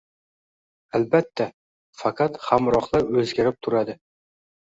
- Albatta, faqat hamrohlar o'zgarib turadi..